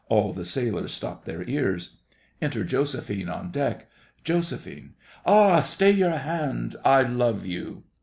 All the sailors stop their ears. Enter JOSEPHINE on deck JOS. Ah! stay your hand—I love you!